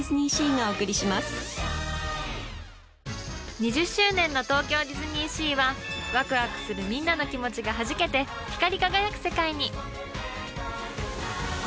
２０周年の東京ディズニーシーはワクワクするみんなの気持ちがはじけて光り輝く世界に。